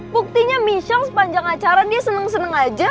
buktinya michel sepanjang acara dia seneng seneng aja